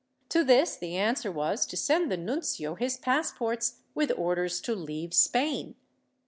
To this the answer was to send to the nuncio his passports with orders to leave Spain.